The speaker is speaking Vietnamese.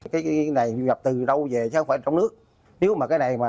cái này được gặp từ đâu về chứ không phải trong nước